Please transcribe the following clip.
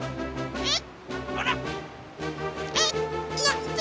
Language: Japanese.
えっ？